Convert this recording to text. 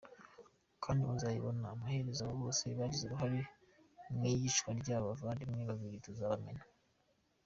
Kandi muzabibona amaherezo abo bose bagize uruhare mw’iyicwa ryabo bavandimwe babiri tuzabamena.”